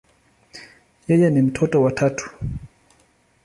Yeye ni mtoto wa tatu.